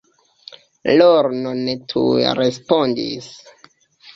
Lorno ne tuj respondis.